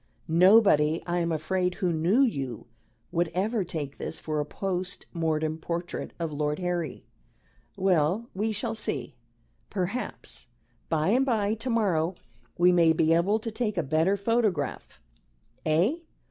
Nobody, I am afraid, who knew you, would ever take this for a post mortem portrait of Lord Harry. Well, we shall see. Perhaps by and by to morrow we may be able to take a better photograph. Eh?"